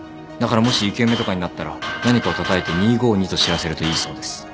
だからもし生き埋めとかになったら何かをたたいて２５２と知らせるといいそうです。